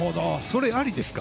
それ、ありですか？